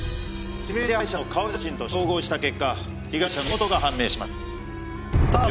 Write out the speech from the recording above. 指名手配者の顔写真と照合した結果被害者の身元が判明しました。